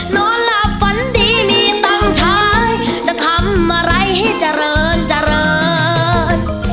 นอนหลับฝันดีมีตังค์ใช้จะทำอะไรให้เจริญเจริญ